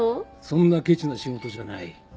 そんなケチな仕事じゃない。